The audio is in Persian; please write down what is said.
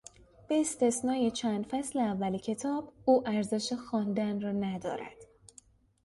به استثنای چند فصل اول کتاب او ارزش خواندن را ندارد.